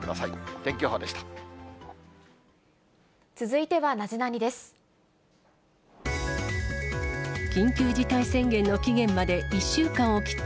天気予報でした。